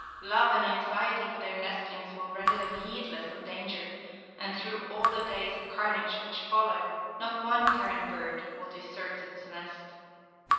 Love and anxiety for their nestlings will render them heedless of danger, and through all the days of carnage which follow, not one parent bird will desert its nest.